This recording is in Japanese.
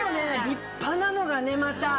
立派なのがねまた。